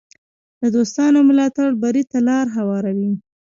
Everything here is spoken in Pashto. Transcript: د دوستانو ملاتړ بری ته لار هواروي.